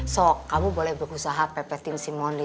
so kamu boleh berusaha pepetin si moni